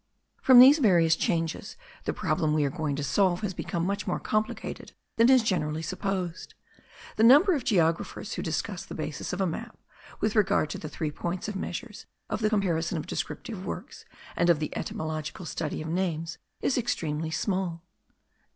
From these various changes, the problem we are going to solve has become much more complicated than is generally supposed. The number of geographers who discuss the basis of a map, with regard to the three points of measures, of the comparison of descriptive works, and of the etymological study* of names, is extremely small.